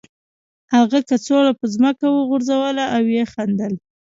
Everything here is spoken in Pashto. هغه کڅوړه په ځمکه وغورځوله او ویې خندل